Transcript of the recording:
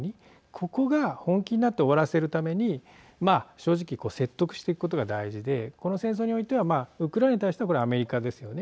ここが本気になって終わらせるために正直、説得していくことが大事でこの戦争においてはウクライナに対してアメリカですよね。